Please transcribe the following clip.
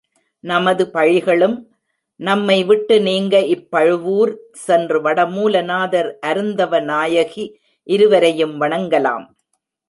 நமது பழிகளும் நம்மை விட்டு நீங்க இப்பழுவூர் சென்று வடமூல நாதர் அருந்தவ நாயகி இருவரையும் வணங்கலாம்.